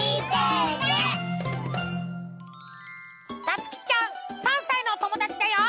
たつきちゃん３さいのおともだちだよ！